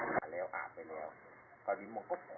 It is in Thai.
กลิ่นแรงแรงเลยนะครับเนี้ยเข้าเปิดเนี้ยครับไหนครับอ๋อ